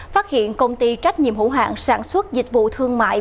phát hiện công ty trách nhiệm hữu hạng sản xuất dịch vụ thương mại